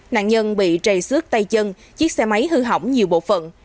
nạn nhân bị trầy xước tay chân chiếc xe máy hư hỏng nhiều bộ phận